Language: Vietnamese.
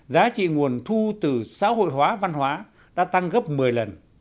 giá trị nguồn thu từ xã hội hóa văn hóa đã tăng gấp một mươi lần